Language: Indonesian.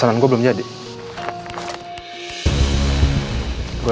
untuk yang memperhatikan